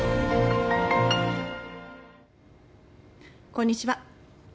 こんにちは。